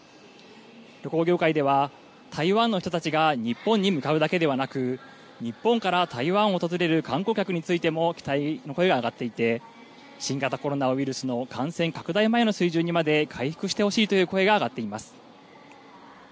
旅行業界では、台湾の人たちが日本に向かうだけではなく、日本から台湾を訪れる観光客についても期待の声が上がっていて、新型コロナウイルスの感染拡大前の水準にまで回復してほしいという声が上がっています。